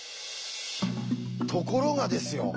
ところがですよ